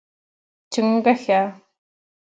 🐸 چنګوښه